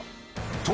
と！